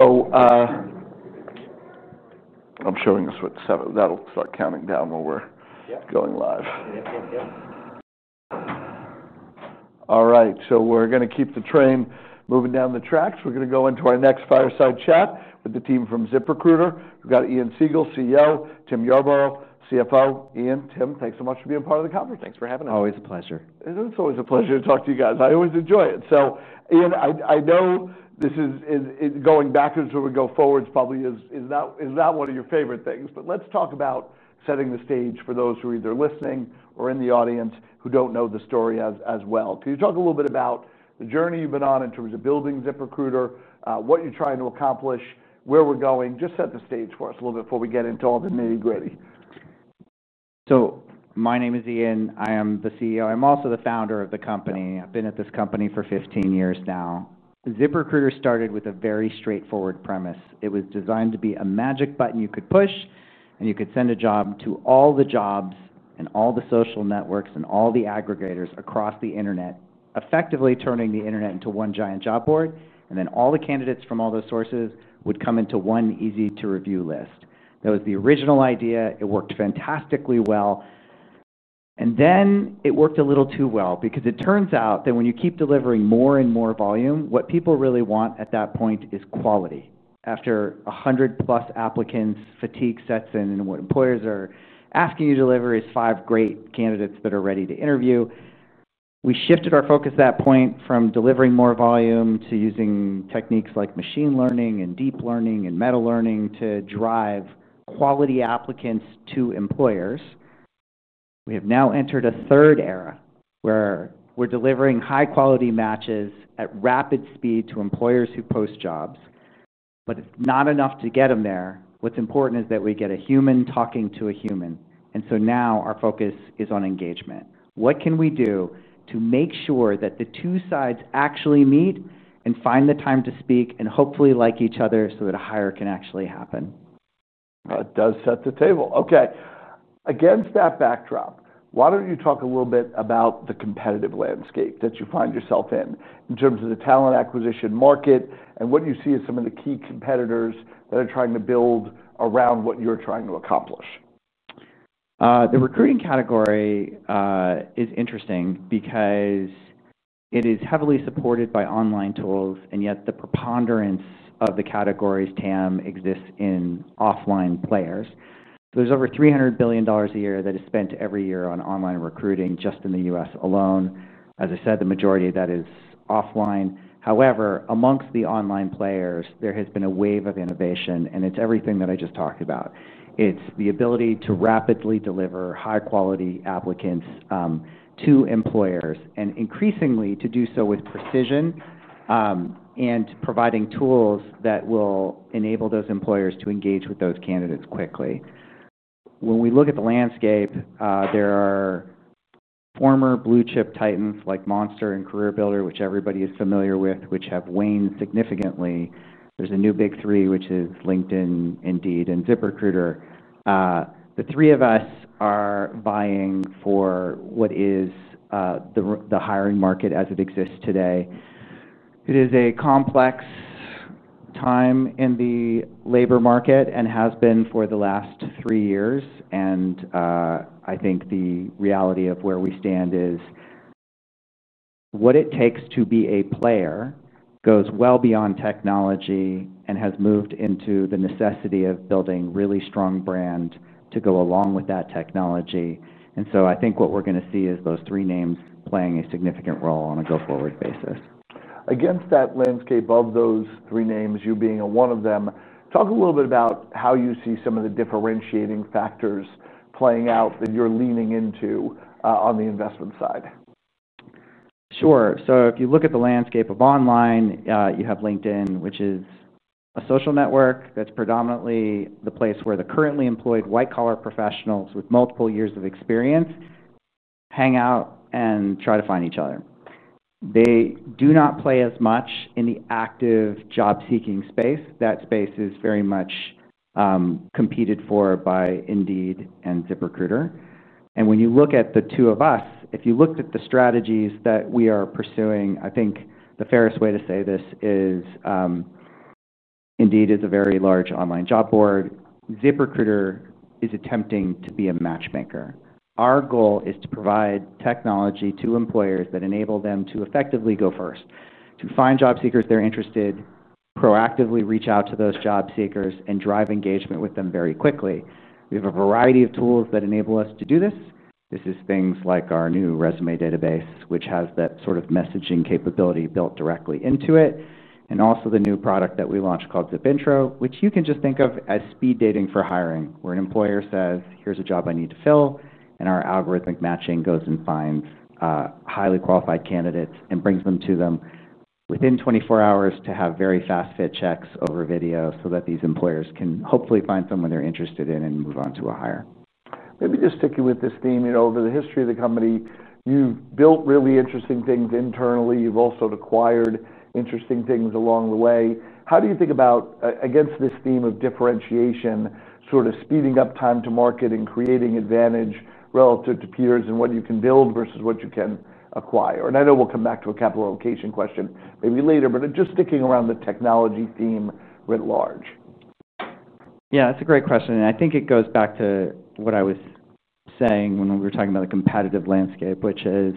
I'm showing us what, seven. That'll start counting down while we're going live. All right, we're going to keep the train moving down the tracks. We're going to go into our next fireside chat with the team from ZipRecruiter. We've got Ian Siegel, CEO, Tim Yarbrough, CFO. Ian, Tim, thanks so much for being a part of the conference. Thanks for having us. Always a pleasure. It is always a pleasure to talk to you guys. I always enjoy it. Ian, I know this is, is it going backwards when we go forwards probably, is that one of your favorite things? Let's talk about setting the stage for those who are either listening or in the audience who don't know the story as well. Can you talk a little bit about the journey you've been on in terms of building ZipRecruiter, what you're trying to accomplish, where we're going? Just set the stage for us a little bit before we get into all the nitty-gritty. My name is Ian. I am the CEO. I'm also the founder of the company. I've been at this company for 15 years now. ZipRecruiter started with a very straightforward premise. It was designed to be a magic button you could push, and you could send a job to all the jobs and all the social networks and all the aggregators across the internet, effectively turning the internet into one giant job board. All the candidates from all those sources would come into one easy-to-review list. That was the original idea. It worked fantastically well. It worked a little too well because it turns out that when you keep delivering more and more volume, what people really want at that point is quality. After 100+ applicants, fatigue sets in, and what employers are asking you to deliver is five great candidates that are ready to interview. We shifted our focus at that point from delivering more volume to using techniques like machine learning and deep learning and meta-learning to drive quality applicants to employers. We have now entered a third era where we're delivering high-quality matches at rapid speed to employers who post jobs, but it's not enough to get them there. What's important is that we get a human talking to a human. Now our focus is on engagement. What can we do to make sure that the two sides actually meet and find the time to speak and hopefully like each other so that a hire can actually happen? That does set the table. Okay. Against that backdrop, why don't you talk a little bit about the competitive landscape that you find yourself in, in terms of the talent acquisition market, and what you see as some of the key competitors that are trying to build around what you're trying to accomplish? The recruiting category is interesting because it is heavily supported by online tools, and yet the preponderance of the category's TAM exists in offline players. There's over $300 billion a year that is spent every year on online recruiting just in the U.S. alone. As I said, the majority of that is offline. However, amongst the online players, there has been a wave of innovation, and it's everything that I just talked about. It's the ability to rapidly deliver high-quality applicants to employers and increasingly to do so with precision, and providing tools that will enable those employers to engage with those candidates quickly. When we look at the landscape, there are former blue-chip titans like Monster and CareerBuilder, which everybody is familiar with, which have waned significantly. There's a new big three, which is LinkedIn, Indeed, and ZipRecruiter. The three of us are vying for what is the hiring market as it exists today. It is a complex time in the labor market and has been for the last three years. I think the reality of where we stand is what it takes to be a player goes well beyond technology and has moved into the necessity of building really strong brand to go along with that technology. I think what we're going to see is those three names playing a significant role on a go-forward basis. Against that landscape of those three names, you being one of them, talk a little bit about how you see some of the differentiating factors playing out that you're leaning into on the investment side. Sure. If you look at the landscape of online, you have LinkedIn, which is a social network that's predominantly the place where the currently employed white-collar professionals with multiple years of experience hang out and try to find each other. They do not play as much in the active job-seeking space. That space is very much competed for by Indeed and ZipRecruiter. If you look at the two of us, if you looked at the strategies that we are pursuing, I think the fairest way to say this is, Indeed is a very large online job board. ZipRecruiter is attempting to be a matchmaker. Our goal is to provide technology to employers that enable them to effectively go first, to find job seekers they're interested, proactively reach out to those job seekers, and drive engagement with them very quickly. We have a variety of tools that enable us to do this. This is things like our new resume database, which has that sort of messaging capability built directly into it, and also the new product that we launched called ZipIntro, which you can just think of as speed dating for hiring, where an employer says, "Here's a job I need to fill," and our algorithmic matching goes and finds highly qualified candidates and brings them to them within 24 hours to have very fast fit checks over video so that these employers can hopefully find someone they're interested in and move on to a hire. Maybe just sticking with this theme, over the history of the company, you've built really interesting things internally. You've also acquired interesting things along the way. How do you think about, against this theme of differentiation, speeding up time to market and creating advantage relative to peers and what you can build versus what you can acquire? I know we'll come back to a capital allocation question maybe later, but just sticking around the technology theme writ large. Yeah, that's a great question. I think it goes back to what I was saying when we were talking about the competitive landscape, which is,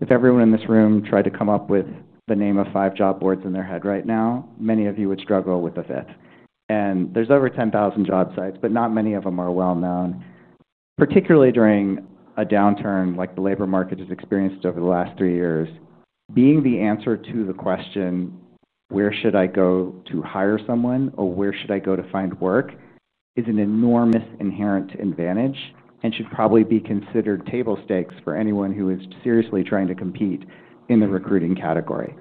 if everyone in this room tried to come up with the name of five job boards in their head right now, many of you would struggle with the fifth. There's over 10,000 job sites, but not many of them are well-known, particularly during a downturn like the labor market has experienced over the last three years. Being the answer to the question, "Where should I go to hire someone?" or "Where should I go to find work?" is an enormous inherent advantage and should probably be considered table stakes for anyone who is seriously trying to compete in the recruiting category.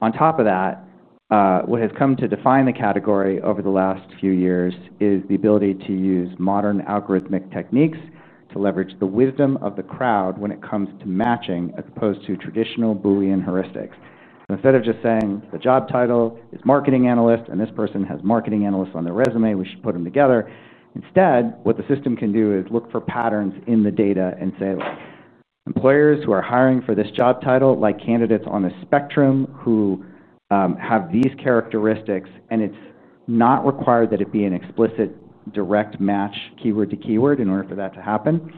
On top of that, what has come to define the category over the last few years is the ability to use modern algorithmic techniques to leverage the wisdom of the crowd when it comes to matching as opposed to traditional Boolean heuristics. Instead of just saying the job title is marketing analyst and this person has marketing analyst on their resume, we should put them together. Instead, what the system can do is look for patterns in the data and say, "Look, employers who are hiring for this job title like candidates on a spectrum who have these characteristics," and it's not required that it be an explicit direct match keyword to keyword in order for that to happen.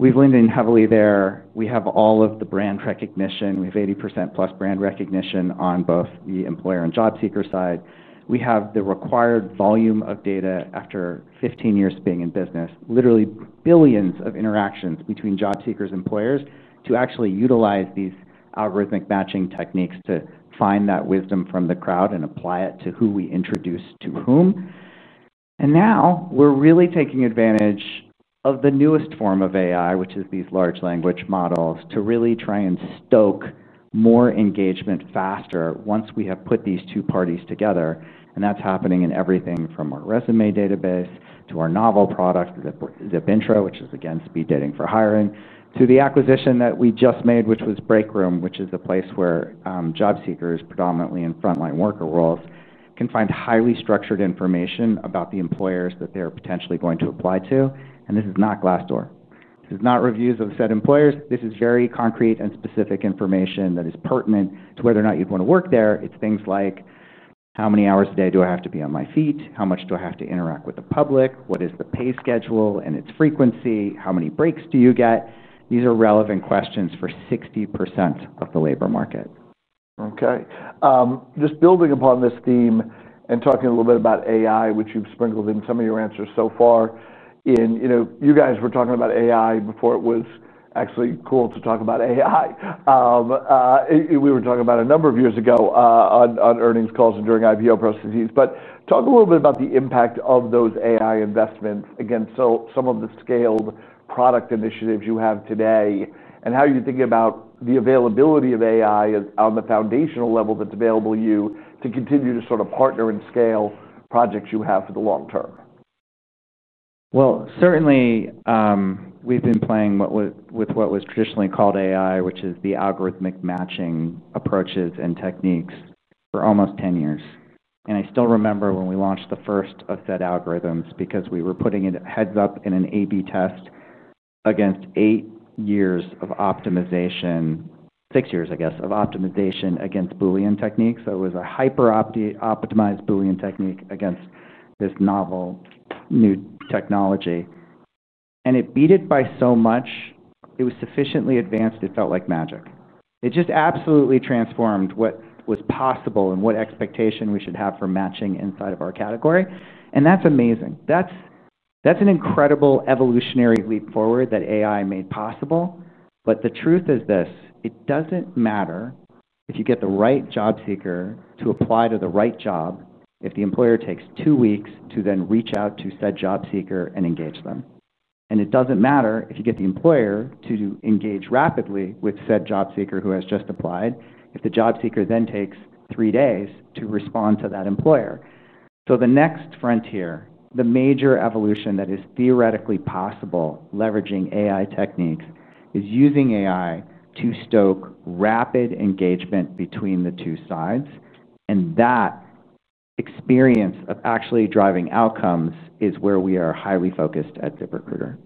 We've leaned in heavily there. We have all of the brand recognition. We have 80%+ brand recognition on both the employer and job seeker side. We have the required volume of data after 15 years of being in business, literally billions of interactions between job seekers and employers to actually utilize these algorithmic matching techniques to find that wisdom from the crowd and apply it to who we introduce to whom. Now we're really taking advantage of the newest form of AI, which is these large language models, to really try and stoke more engagement faster once we have put these two parties together. That's happening in everything from our resume database to our novel product, ZipIntro, which is again speed dating for hiring, to the acquisition that we just made, which was BreakRoom, which is a place where job seekers predominantly in frontline worker roles can find highly structured information about the employers that they're potentially going to apply to. This is not Glassdoor. This is not reviews of said employers. This is very concrete and specific information that is pertinent to whether or not you'd want to work there. It's things like, "How many hours a day do I have to be on my feet? How much do I have to interact with the public? What is the pay schedule and its frequency? How many breaks do you get?" These are relevant questions for 60% of the labor market. Okay. Just building upon this theme and talking a little bit about AI, which you've sprinkled in some of your answers so far, you know, you guys were talking about AI before it was actually cool to talk about AI. We were talking about it a number of years ago, on earnings calls and during IPO processes. Talk a little bit about the impact of those AI investments against some of the scaled product initiatives you have today and how you're thinking about the availability of AI on the foundational level that's available to you to continue to sort of partner and scale projects you have for the long term. Certainly, we've been playing with what was traditionally called AI, which is the algorithmic matching approaches and techniques for almost 10 years. I still remember when we launched the first of said algorithms because we were putting a heads up in an A/B test against eight years of optimization, six years, I guess, of optimization against Boolean techniques. It was a hyper-optimized Boolean technique against this novel new technology. It beat it by so much, it was sufficiently advanced, it felt like magic. It just absolutely transformed what was possible and what expectation we should have for matching inside of our category. That's amazing. That's an incredible evolutionary leap forward that AI made possible. The truth is this, it doesn't matter if you get the right job seeker to apply to the right job if the employer takes two weeks to then reach out to said job seeker and engage them. It doesn't matter if you get the employer to engage rapidly with said job seeker who has just applied if the job seeker then takes three days to respond to that employer. The next frontier, the major evolution that is theoretically possible leveraging AI techniques, is using AI to stoke rapid engagement between the two sides. That experience of actually driving outcomes is where we are highly focused at ZipRecruiter.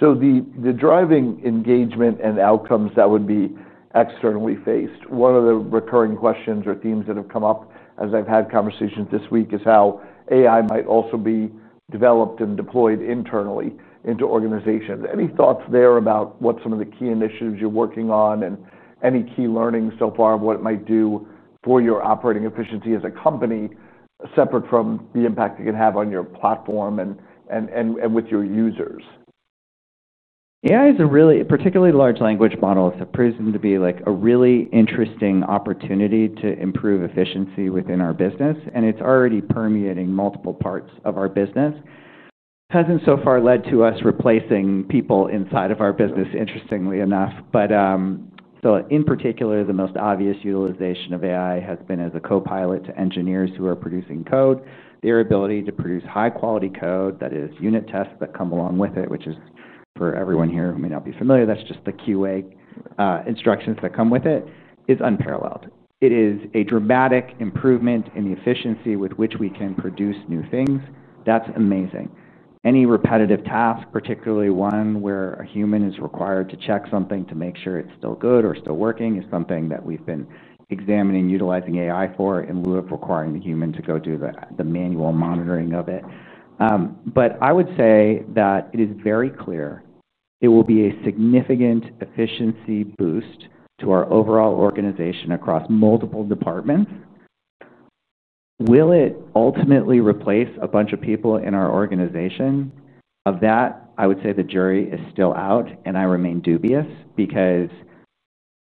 The driving engagement and outcomes that would be externally faced, one of the recurring questions or themes that have come up as I've had conversations this week is how AI might also be developed and deployed internally into organizations. Any thoughts there about what some of the key initiatives you're working on and any key learnings so far of what it might do for your operating efficiency as a company, separate from the impact it can have on your platform and with your users? AI is a really particularly large language model. It's proven to be like a really interesting opportunity to improve efficiency within our business, and it's already permeating multiple parts of our business. It hasn't so far led to us replacing people inside of our business, interestingly enough. In particular, the most obvious utilization of AI has been as a copilot to engineers who are producing code. Their ability to produce high-quality code, that is unit tests that come along with it, which is for everyone here who may not be familiar, that's just the QA, instructions that come with it, is unparalleled. It is a dramatic improvement in the efficiency with which we can produce new things. That's amazing. Any repetitive task, particularly one where a human is required to check something to make sure it's still good or still working, is something that we've been examining utilizing AI for in lieu of requiring the human to go do the manual monitoring of it. I would say that it is very clear it will be a significant efficiency boost to our overall organization across multiple departments. Will it ultimately replace a bunch of people in our organization? Of that, I would say the jury is still out, and I remain dubious because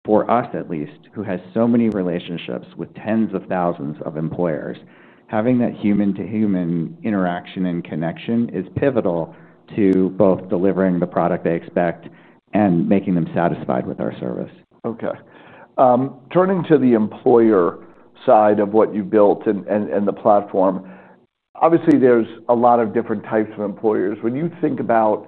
for us, at least, who has so many relationships with tens of thousands of employers, having that human-to-human interaction and connection is pivotal to both delivering the product they expect and making them satisfied with our service. Okay. Turning to the employer side of what you've built and the platform, obviously there's a lot of different types of employers. When you think about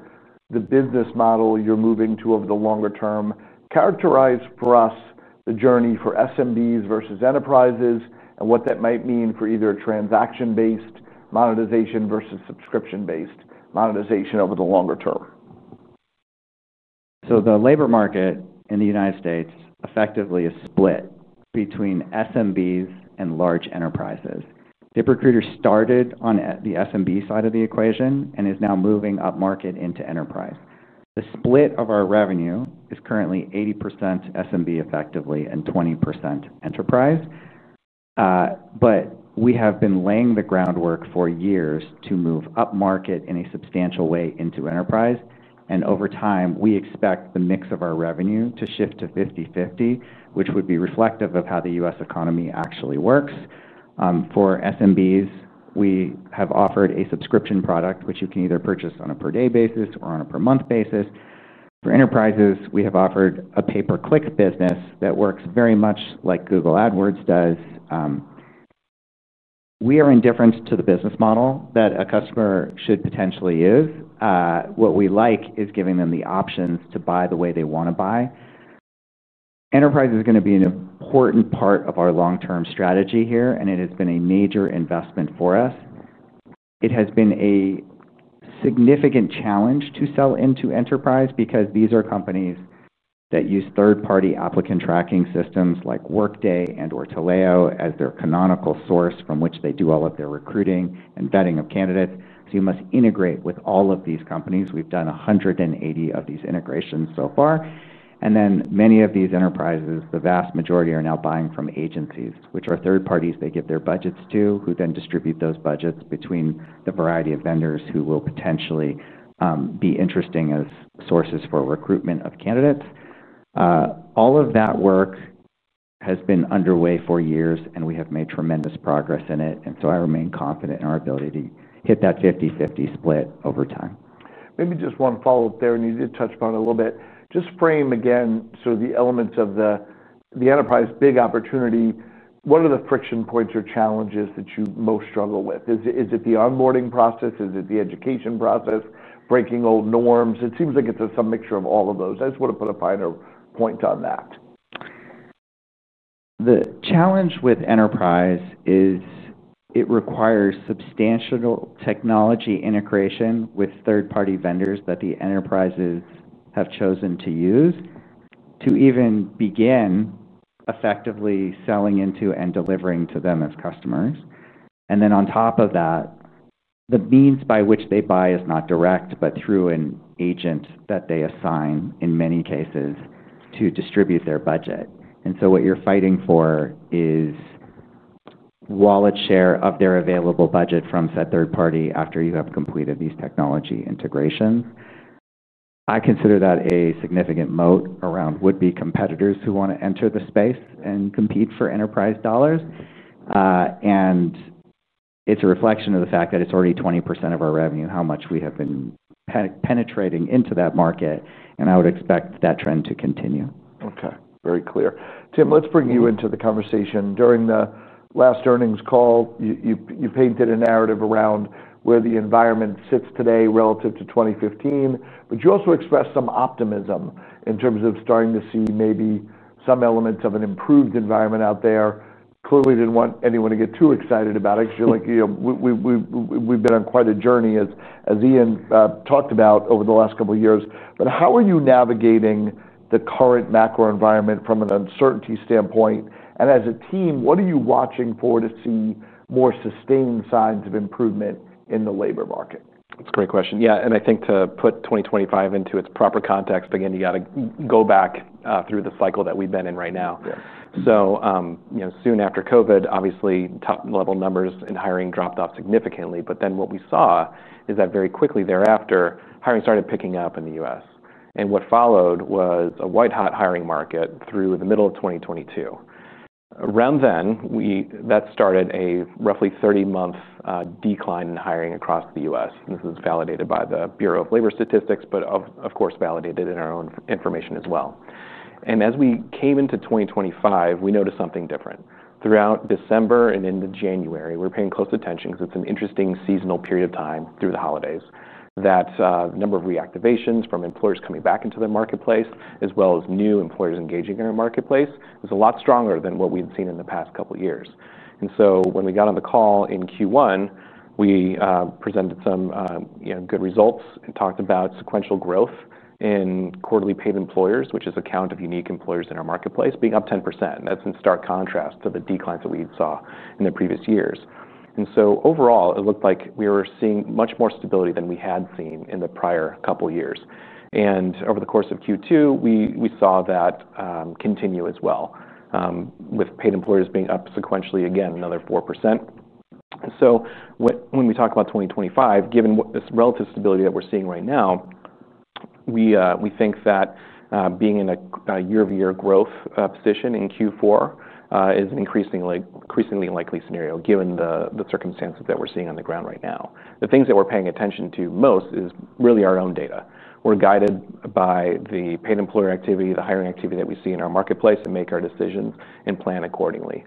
the business model you're moving to over the longer term, characterize for us the journey for SMBs versus enterprises and what that might mean for either transaction-based monetization versus subscription-based monetization over the longer term. The labor market in the U.S. effectively is split between SMBs and large enterprises. ZipRecruiter started on the SMB side of the equation and is now moving up market into enterprise. The split of our revenue is currently 80% SMB and 20% enterprise. We have been laying the groundwork for years to move up market in a substantial way into enterprise. Over time, we expect the mix of our revenue to shift to 50/50, which would be reflective of how the U.S. economy actually works. For SMBs, we have offered a subscription product, which you can either purchase on a per-day basis or on a per-month basis. For enterprises, we have offered a pay-per-click business that works very much like Google AdWords does. We are indifferent to the business model that a customer should potentially use. What we like is giving them the options to buy the way they want to buy. Enterprise is going to be an important part of our long-term strategy here, and it has been a major investment for us. It has been a significant challenge to sell into enterprise because these are companies that use third-party applicant tracking systems like Workday and/or Taleo as their canonical source from which they do all of their recruiting and vetting of candidates. You must integrate with all of these companies. We've done 180 of these integrations so far. Many of these enterprises, the vast majority, are now buying from agencies, which are third parties they give their budgets to, who then distribute those budgets between the variety of vendors who will potentially be interesting as sources for recruitment of candidates. All of that work has been underway for years, and we have made tremendous progress in it. I remain confident in our ability to hit that 50/50 split over time. Maybe just one follow-up there, and you did touch upon it a little bit. Just frame again, so the elements of the enterprise big opportunity, what are the friction points or challenges that you most struggle with? Is it the onboarding process? Is it the education process, breaking old norms? It seems like it's some mixture of all of those. I just want to put a finer point on that. The challenge with enterprise is it requires substantial technology integration with third-party vendors that the enterprises have chosen to use to even begin effectively selling into and delivering to them as customers. On top of that, the means by which they buy is not direct, but through an agent that they assign in many cases to distribute their budget. What you're fighting for is wallet share of their available budget from said third party after you have completed these technology integrations. I consider that a significant moat around would-be competitors who want to enter the space and compete for enterprise dollars. It's a reflection of the fact that it's already 20% of our revenue, how much we have been penetrating into that market, and I would expect that trend to continue. Okay. Very clear. Tim, let's bring you into the conversation. During the last earnings call, you painted a narrative around where the environment sits today relative to 2015, but you also expressed some optimism in terms of starting to see maybe some elements of an improved environment out there. Clearly, we didn't want anyone to get too excited about it because you're like, you know, we've been on quite a journey as Ian talked about over the last couple of years. How are you navigating the current macroeconomic environment from an uncertainty standpoint? As a team, what are you watching for to see more sustained signs of improvement in the labor market? That's a great question. Yeah. I think to put 2025 into its proper context, you have to go back through the cycle that we've been in right now. Soon after COVID, obviously, top-level numbers in hiring dropped off significantly. Then what we saw is that very quickly thereafter, hiring started picking up in the U.S. What followed was a white-hot hiring market through the middle of 2022. Around then, that started a roughly 30-month decline in hiring across the U.S. This is validated by the Bureau of Labor Statistics, but of course, validated in our own information as well. As we came into 2025, we noticed something different. Throughout December and into January, we're paying close attention because it's an interesting seasonal period of time through the holidays. That number of reactivations from employers coming back into the marketplace, as well as new employers engaging in our marketplace, is a lot stronger than what we'd seen in the past couple of years. When we got on the call in Q1, we presented some good results and talked about sequential growth in quarterly paid employers, which is a count of unique employers in our marketplace, being up 10%. That's in stark contrast to the declines that we saw in the previous years. Overall, it looked like we were seeing much more stability than we had seen in the prior couple of years. Over the course of Q2, we saw that continue as well, with paid employers being up sequentially again another 4%. When we talk about 2025, given this relative stability that we're seeing right now, we think that being in a year-over-year growth position in Q4 is an increasingly likely scenario given the circumstances that we're seeing on the ground right now. The things that we're paying attention to most is really our own data. We're guided by the paid employer activity, the hiring activity that we see in our marketplace, and make our decisions and plan accordingly.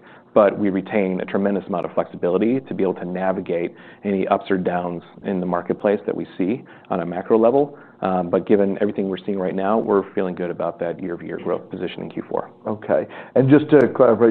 We retain a tremendous amount of flexibility to be able to navigate any ups or downs in the marketplace that we see on a macro level. Given everything we're seeing right now, we're feeling good about that year-over-year growth position in Q4. Okay. Just to clarify,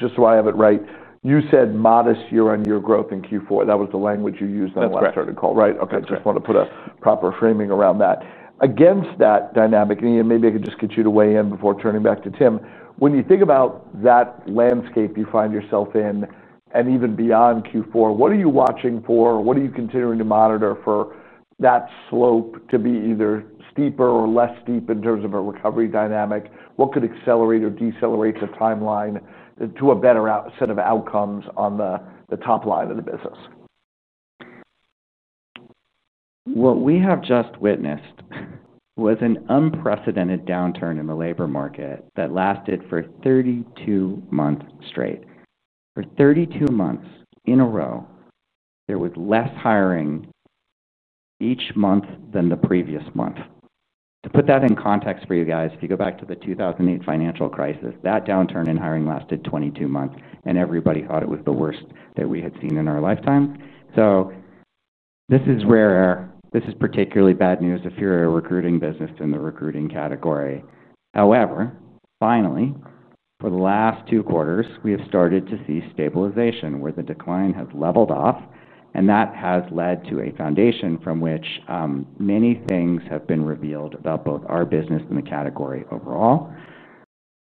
just so I have it right, you said modest year-on-year growth in Q4. That was the language you used on the last part of the call. That's right. Okay. I just want to put a proper framing around that. Against that dynamic, and maybe I could just get you to weigh in before turning back to Tim, when you think about that landscape you find yourself in, and even beyond Q4, what are you watching for? What are you continuing to monitor for that slope to be either steeper or less steep in terms of a recovery dynamic? What could accelerate or decelerate the timeline to a better set of outcomes on the top line of the business? What we have just witnessed was an unprecedented downturn in the labor market that lasted for 32 months straight. For 32 months in a row, there was less hiring each month than the previous month. To put that in context for you guys, if you go back to the 2008 financial crisis, that downturn in hiring lasted 22 months, and everybody thought it was the worst that we had seen in our lifetime. This is rare. This is particularly bad news if you're a recruiting business in the recruiting category. However, finally, for the last two quarters, we have started to see stabilization where the decline has leveled off, and that has led to a foundation from which many things have been revealed about both our business and the category overall.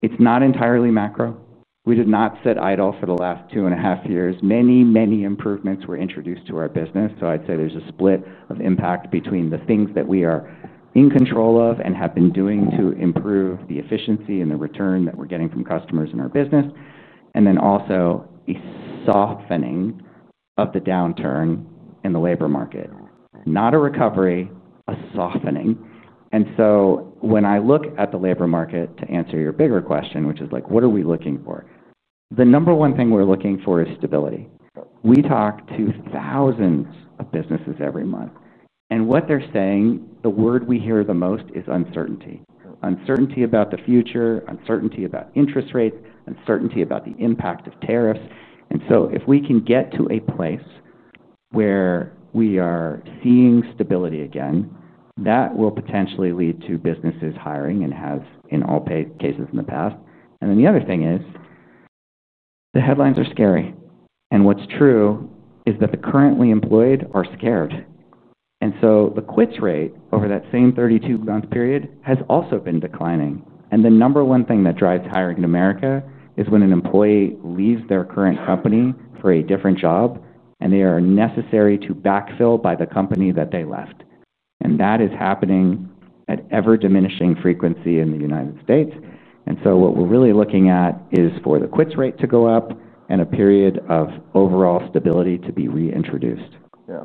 It's not entirely macro. We did not sit idle for the last two and a half years. Many, many improvements were introduced to our business. I'd say there's a split of impact between the things that we are in control of and have been doing to improve the efficiency and the return that we're getting from customers in our business, and then also a softening of the downturn in the labor market. Not a recovery, a softening. When I look at the labor market, to answer your bigger question, which is like, what are we looking for? The number one thing we're looking for is stability. We talk to thousands of businesses every month. What they're saying, the word we hear the most is uncertainty. Uncertainty about the future, uncertainty about interest rates, uncertainty about the impact of tariffs. If we can get to a place where we are seeing stability again, that will potentially lead to businesses hiring and have in all pay cases in the past. The other thing is the headlines are scary. What's true is that the currently employed are scared. The quits rate over that same 32-month period has also been declining. The number one thing that drives hiring in America is when an employee leaves their current company for a different job, and they are necessary to backfill by the company that they left. That is happening at ever-diminishing frequency in the U.S. What we're really looking at is for the quits rate to go up and a period of overall stability to be reintroduced. Yeah.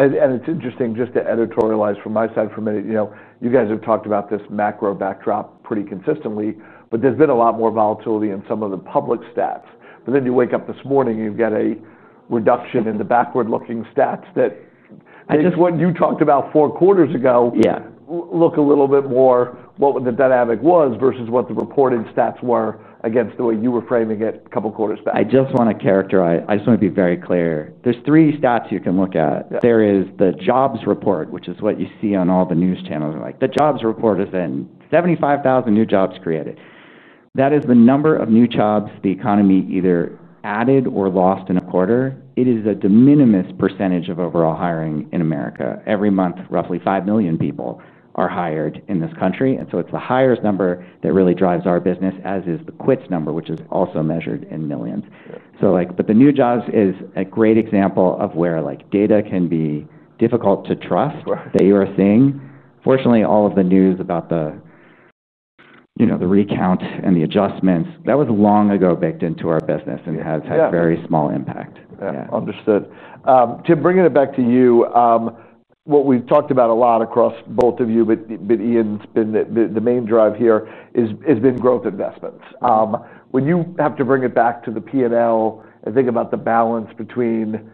It's interesting just to editorialize from my side for a minute. You know, you guys have talked about this macro backdrop pretty consistently, but there's been a lot more volatility in some of the public stats. You wake up this morning and you've got a reduction in the backward-looking stats that I just want you talked about four quarters ago. Yeah. Look a little bit more at what the dynamic was versus what the reported stats were against the way you were framing it a couple of quarters back. I just want to characterize, I just want to be very clear. There are three stats you can look at. There is the jobs report, which is what you see on all the news channels. The jobs report is in 75,000 new jobs created. That is the number of new jobs the economy either added or lost in a quarter. It is a de minimis % of overall hiring in the U.S. Every month, roughly 5 million people are hired in this country, and it's the hires number that really drives our business, as is the quits number, which is also measured in millions. The new jobs is a great example of where data can be difficult to trust that you are seeing. Fortunately, all of the news about the recount and the adjustments, that was long ago baked into our business and has had very small impact. Yeah, understood. Tim, bringing it back to you, what we've talked about a lot across both of you, but Ian's been the main drive here, has been growth investments. When you have to bring it back to the P&L and think about the balance between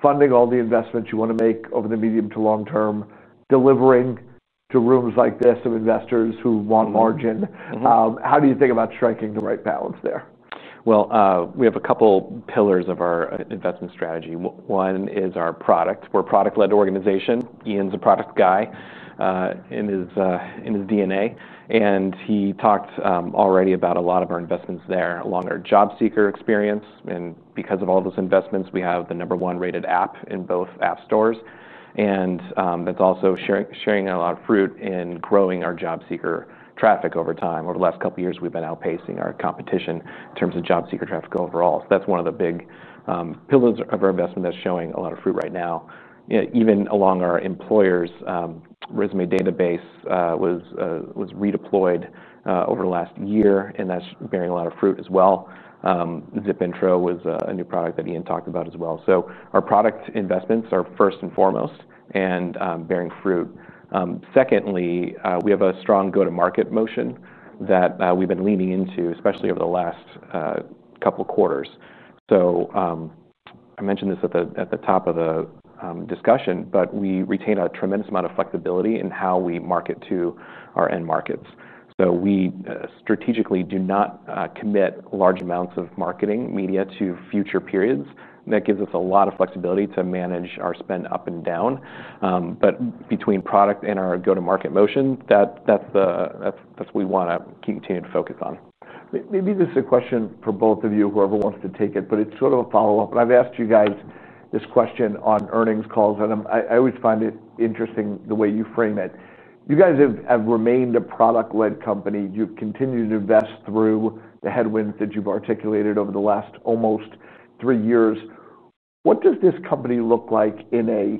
funding all the investments you want to make over the medium to long term, delivering to rooms like this of investors who want margin, how do you think about striking the right balance there? We have a couple pillars of our investment strategy. One is our product. We're a product-led organization. Ian's a product guy in his DNA. He talked already about a lot of our investments there along our job seeker experience. Because of all those investments, we have the number one rated app in both app stores. That's also sharing a lot of fruit in growing our job seeker traffic over time. Over the last couple of years, we've been outpacing our competition in terms of job seeker traffic overall. That's one of the big pillars of our investment that's showing a lot of fruit right now. Even along our employers, resume database was redeployed over the last year, and that's bearing a lot of fruit as well. ZipIntro was a new product that Ian talked about as well. Our product investments are first and foremost and bearing fruit. Secondly, we have a strong go-to-market motion that we've been leaning into, especially over the last couple of quarters. I mentioned this at the top of the discussion, but we retain a tremendous amount of flexibility in how we market to our end markets. We strategically do not commit large amounts of marketing media to future periods. That gives us a lot of flexibility to manage our spend up and down. Between product and our go-to-market motion, that's what we want to continue to focus on. Maybe this is a question for both of you, whoever wants to take it, but it's sort of a follow-up. I've asked you guys this question on earnings calls, and I always find it interesting the way you frame it. You guys have remained a product-led company. You've continued to invest through the headwinds that you've articulated over the last almost three years. What does this company look like in a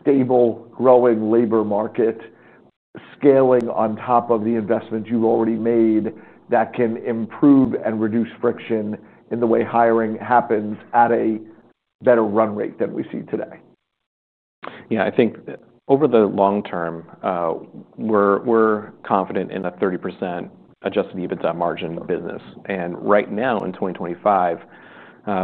stable, growing labor market, scaling on top of the investments you've already made that can improve and reduce friction in the way hiring happens at a better run rate than we see today? Yeah, I think over the long term, we're confident in a 30% adjusted EBITDA margin business. Right now in 2025,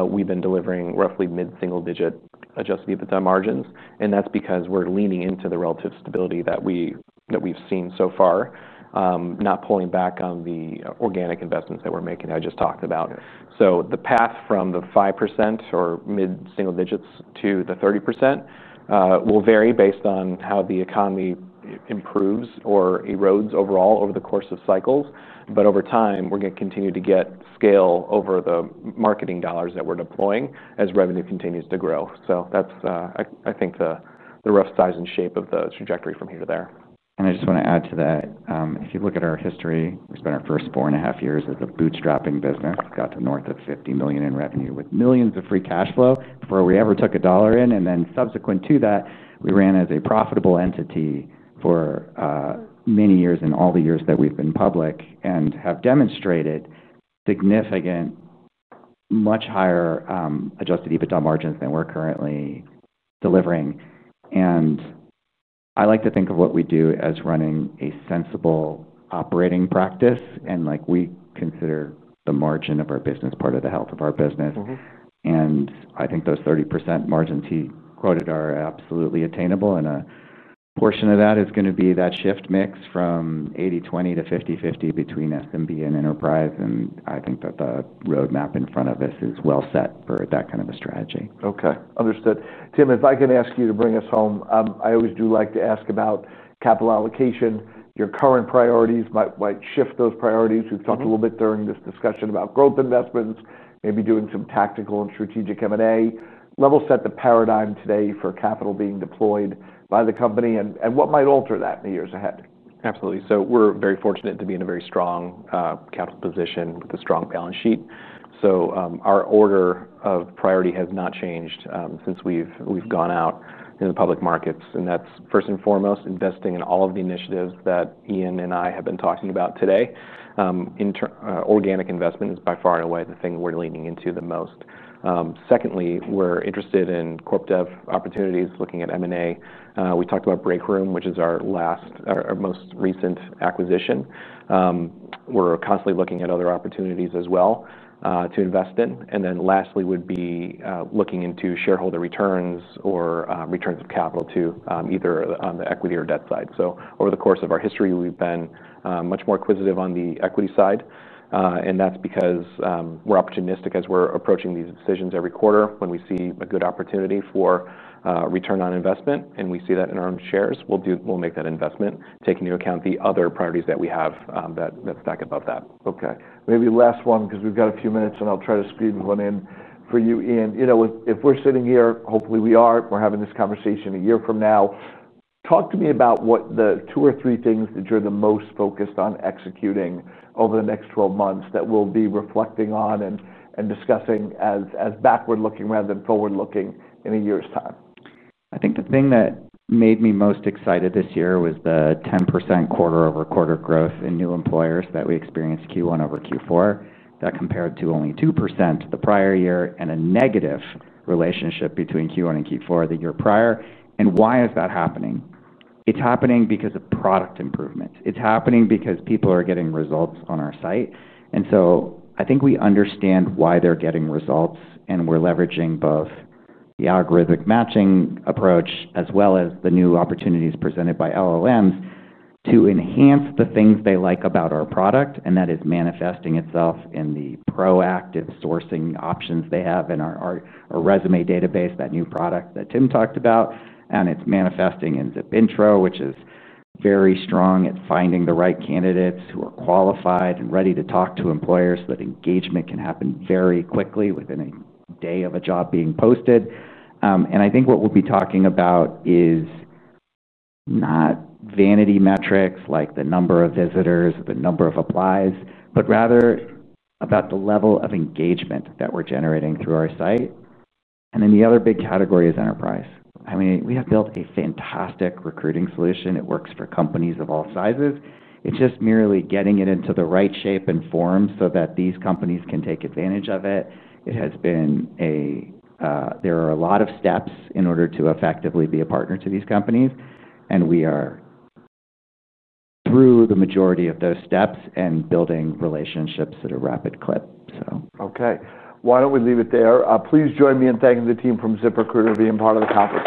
we've been delivering roughly mid-single-digit adjusted EBITDA margins. That's because we're leaning into the relative stability that we've seen so far, not pulling back on the organic investments that we're making that I just talked about. The path from the 5% or mid-single digits to the 30% will vary based on how the economy improves or erodes overall over the course of cycles. Over time, we're going to continue to get scale over the marketing dollars that we're deploying as revenue continues to grow. I think the rough size and shape of the trajectory from here to there is clear. I just want to add to that, if you look at our history, we spent our first four and a half years as a bootstrapping business, got to north of $50 million in revenue with millions of free cash flow before we ever took a dollar in. Subsequent to that, we ran as a profitable entity for many years in all the years that we've been public and have demonstrated significant, much higher, adjusted EBITDA margins than we're currently delivering. I like to think of what we do as running a sensible operating practice. We consider the margin of our business part of the health of our business. Mm-hmm. I think those 30% margins he quoted are absolutely attainable. A portion of that is going to be that shift mix from 80/20 to 50/50 between SMB and enterprise. I think that the roadmap in front of us is well set for that kind of a strategy. Okay. Understood. Tim, if I can ask you to bring us home, I always do like to ask about capital allocation. Your current priorities might shift those priorities. We've talked a little bit during this discussion about growth investments, maybe doing some tactical and strategic M&A. Level set the paradigm today for capital being deployed by the company and what might alter that in the years ahead. Absolutely. We're very fortunate to be in a very strong capital position with a strong balance sheet. Our order of priority has not changed since we've gone out into the public markets. That's first and foremost investing in all of the initiatives that Ian and I have been talking about today. Organic investment is by far and away the thing we're leaning into the most. Secondly, we're interested in corp dev opportunities, looking at M&A. We talked about BreakRoom, which is our most recent acquisition. We're constantly looking at other opportunities as well to invest in. Lastly would be looking into shareholder returns or returns of capital, either on the equity or debt side. Over the course of our history, we've been much more inquisitive on the equity side. That's because we're opportunistic as we're approaching these decisions every quarter when we see a good opportunity for a return on investment. We see that in our own shares. We'll make that investment, taking into account the other priorities that we have that stack above that. Okay. Maybe last one, because we've got a few minutes and I'll try to squeeze one in for you, Ian. You know, if we're sitting here, hopefully we are, we're having this conversation a year from now. Talk to me about what the two or three things that you're the most focused on executing over the next 12 months that we'll be reflecting on and discussing as backward-looking rather than forward-looking in a year's time. I think the thing that made me most excited this year was the 10% quarter-over-quarter growth in new employers that we experienced Q1 over Q4. That compared to only 2% the prior year and a negative relationship between Q1 and Q4 the year prior. Why is that happening? It's happening because of product improvements. It's happening because people are getting results on our site. I think we understand why they're getting results, and we're leveraging both the algorithmic matching approach as well as the new opportunities presented by large language models to enhance the things they like about our product. That is manifesting itself in the proactive sourcing options they have in our resume database, that new product that Tim talked about. It's manifesting in ZipIntro, which is very strong at finding the right candidates who are qualified and ready to talk to employers so that engagement can happen very quickly within a day of a job being posted. I think what we'll be talking about is not vanity metrics like the number of visitors or the number of applies, but rather about the level of engagement that we're generating through our site. The other big category is enterprise. I mean, we have built a fantastic recruiting solution. It works for companies of all sizes. It's just merely getting it into the right shape and form so that these companies can take advantage of it. It has been a, there are a lot of steps in order to effectively be a partner to these companies. We are through the majority of those steps and building relationships at a rapid clip. Okay. Why don't we leave it there? Please join me in thanking the team from ZipRecruiter for being part of the conference.